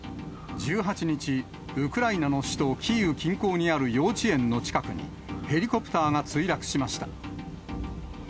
１８日、ウクライナの首都キーウ近郊にある幼稚園の近くに、ヘリコプターが墜落しました。